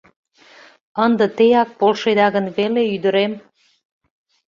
Ынде теак полшеда гын веле, ӱдырем?